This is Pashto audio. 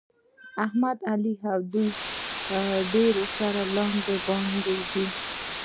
احمد او علي دوی ډېر سره لاندې باندې دي.